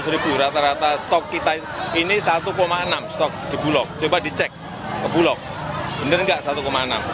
lima ratus ribu rata rata stok kita ini satu enam stok di bulog coba dicek ke bulog bener nggak satu enam